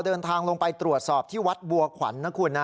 เดินทางลงไปตรวจสอบที่วัดบัวขวัญนะคุณนะ